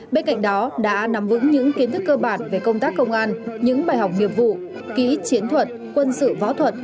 bên cạnh đó đã nắm vững những kiến thức cơ bản về công tác công an những bài học nghiệp vụ kỹ chiến thuật quân sự võ thuật